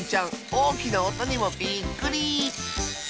おおきなおとにもびっくり！